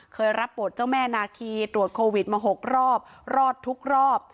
รับบทเจ้าแม่นาคีตรวจโควิดมา๖รอบรอดทุกรอบ